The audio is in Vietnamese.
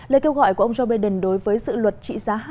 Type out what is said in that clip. lời kêu gọi của ông joe biden đối với các tổng thống nước mỹ là